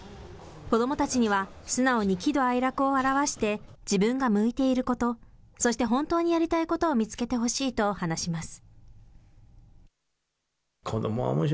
子どもたちには素直に喜怒哀楽を表して、自分が向いていること、そして本当にやりたいことを見つけてほしいと話します。